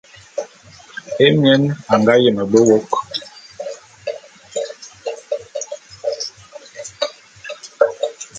Émien a nga yeme be wôk.